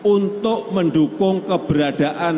untuk mendukung keberadaan